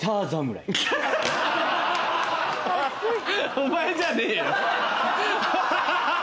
お前じゃねえよ。